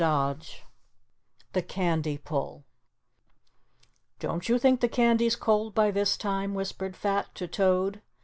CHAPTER IV THE CANDY PULL "Don't you think the candy's cold by this time?" whispered Fat to Toad.